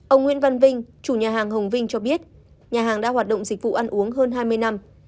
ông nguyễn văn vinh chủ nhà hàng hồng vinh cho biết nhà hàng đã hoạt động dịch vụ ăn uống hơn hai mươi năm